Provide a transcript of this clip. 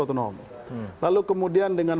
otonom lalu kemudian dengan